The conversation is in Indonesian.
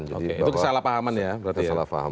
oke itu kesalahpahaman ya berarti